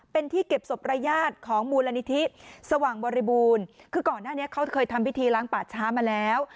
เป็นที่เก็บศพรายญาติของมูลนิธิสว่างบริบูรณ์คือก่อนหน้านี้เขาเคยทำพิธีล้างป่าช้ามาแล้ว